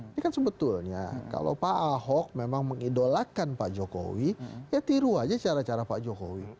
ini kan sebetulnya kalau pak ahok memang mengidolakan pak jokowi ya tiru aja cara cara pak jokowi